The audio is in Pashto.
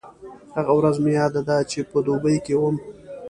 هغه ورځ مې یاده ده چې په دوبۍ کې وم.